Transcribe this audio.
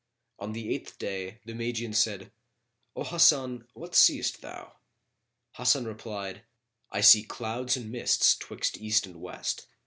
On the eighth day, the Magian said, "O Hasan, what seest thou?" Hasan replied, "I see clouds and mists twixt east and west."